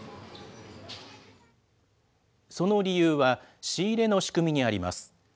その理由は、仕入れの仕組みにあります。